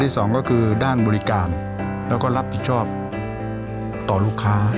สองก็คือด้านบริการแล้วก็รับผิดชอบต่อลูกค้า